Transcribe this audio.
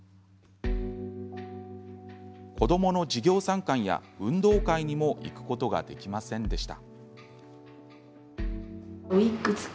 子どもの授業参観や運動会にも行くことができませんでした。